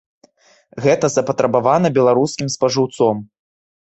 Гэта запатрабавана беларускім спажыўцом.